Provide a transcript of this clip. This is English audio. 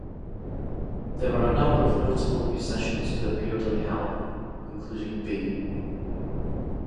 There were a number of notable musicians who appeared on the album, including B.